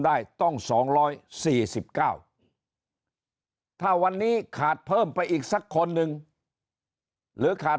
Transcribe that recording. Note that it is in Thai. ได้ต้อง๒๔๙ถ้าวันนี้ขาดเพิ่มไปอีกสักคนหนึ่งหรือขาด